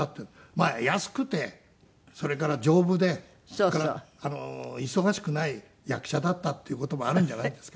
まあ安くてそれから丈夫でそれから忙しくない役者だったっていう事もあるんじゃないですか。